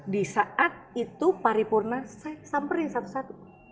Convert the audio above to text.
di saat itu paripurna saya samperin satu satu